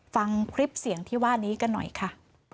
ฟังคลิปเสียงที่ว่านี้กันหน่อยค่ะ